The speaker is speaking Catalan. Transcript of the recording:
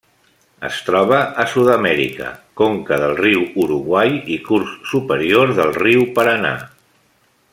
Es troba a Sud-amèrica: conca del riu Uruguai i curs superior del riu Paranà.